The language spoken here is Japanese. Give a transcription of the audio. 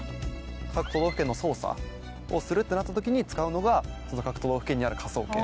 各都道府県の捜査をするってなった時に使うのが各都道府県にある科捜研。